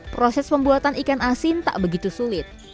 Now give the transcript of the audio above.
proses pembuatan ikan asin tak begitu sulit